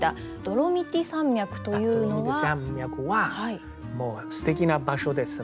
ドロミティ山脈はもうすてきな場所です。